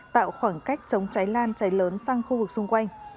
tạo khoảng cách chống cháy lan cháy lớn sang khu vực xung quanh